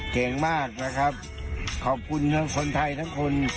เก่งมากนะครับขอบคุณทั้งคนไทยทั้งคน